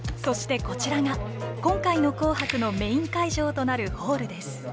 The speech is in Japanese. そしてこちらが今回の「紅白」のメイン会場となるホールです。